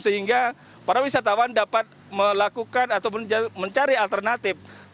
sehingga para wisatawan dapat melakukan atau mencari alternatif